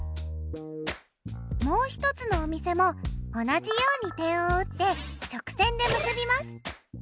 もう一つのお店も同じように点を打って直線で結びます。